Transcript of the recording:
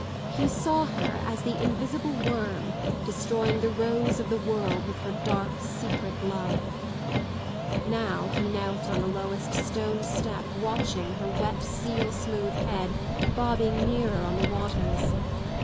He saw her as the invisible worm destroying the rose of the world with her dark secret love. Now 112 lie toaelt on ike lowest stone step watching her wet seaWmooth head bobbing nearer on the waters.